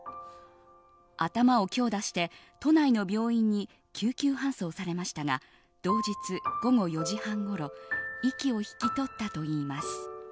頭を強打して都内の病院に救急搬送されましたが同日午後４時半ごろ息を引き取ったといいます。